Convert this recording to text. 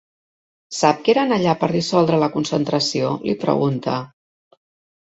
Sap que eren allà per a dissoldre la concentració?, li pregunta.